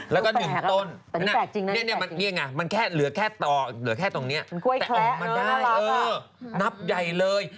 แล้วก็๑ต้นนี่ไงมันแค่เหลือแค่ต่อเหลือแค่ตรงนี้แต่ออกมาได้นับใหญ่เลย